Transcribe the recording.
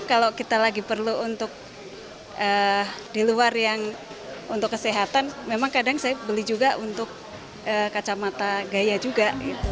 kalau kita lagi perlu untuk di luar yang untuk kesehatan memang kadang saya beli juga untuk kacamata gaya juga